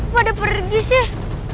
pada pergi sih